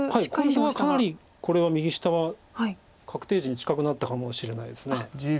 今度はかなりこれは右下は確定地に近くなったかもしれないです。